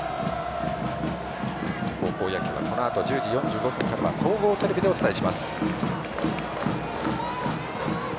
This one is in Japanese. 高校野球はこのあと１０時４５分からは総合テレビでお伝えします。